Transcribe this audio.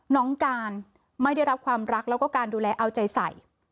น้องการไม่ได้รับความรักแล้วก็การดูแลเอาใจใส่